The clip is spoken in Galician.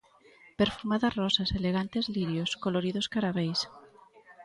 Perfumadas rosas, elegantes lirios, coloridos caraveis.